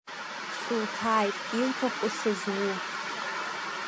Суҭааит, иуҭаху сызу?